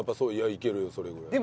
いけるよそれぐらい。